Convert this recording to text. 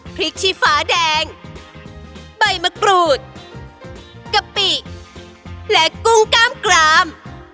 พริกชีฟ้าแดงใบมะกรูดกะปิและกุ้งกล้ามกราม